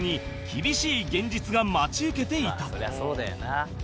「そりゃそうだよな」